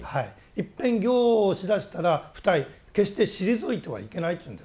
いっぺん行をしだしたら不退決して退いてはいけないというんですね。